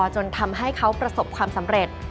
จนทำให้เขาประสบความสำเร็จ